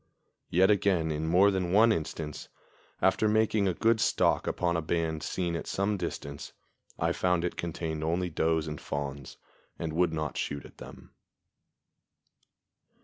Yet again in more than one instance, after making a good stalk upon a band seen at some distance, I found it contained only does and fawns, and would not shoot at them.